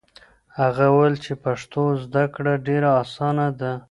هغه وویل چې پښتو زده کړه ډېره اسانه ده.